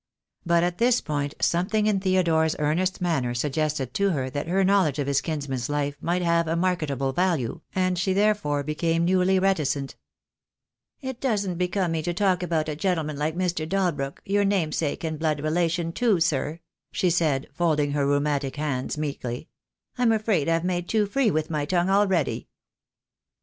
But at this point some thing in Theodore's earnest manner suggested to her that THE DAY WILL COME. 69 her knowledge of his kinsman's life might have a market able value, and she therefore became newly reticent. "It doesn't become me to talk about a gentleman like Mr. Dalbrook, your namesake and blood relation, too, sir," she said, folding her rheumatic hands meekly. "I'm afraid I've made too free with my tongue already."